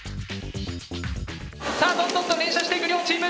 さあどんどんと連射していく両チーム。